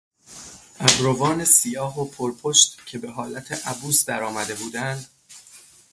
ابروان سیاه و پر پشت که به حالت عبوس درآمده بودند